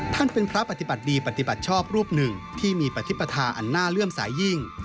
ท่านเป็นพระปฏิบัติดีปฏิบัติชอบรูปหนึ่งที่มีปฏิทาอันน่าเลื่อมสายยิ่ง